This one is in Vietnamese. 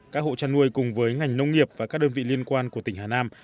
các hộ chăn nuôi cùng với ngành nông nghiệp và các đơn vị liên quan của tỉnh hà nam